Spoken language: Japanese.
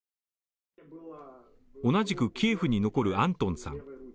同じくキエフに残るアントンさん。